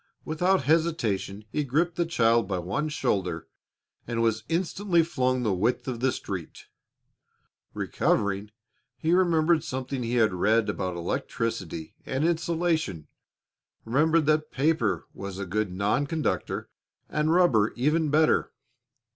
Without hesitation he gripped the child by one shoulder and was instantly flung the width of the street. Recovering, he remembered something he had read about electricity and insulation, remembered that paper was a good non conductor and rubber even better.